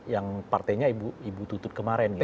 yang partainya ibu tutut kemarin